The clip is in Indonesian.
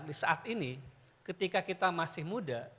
di saat ini ketika kita masih muda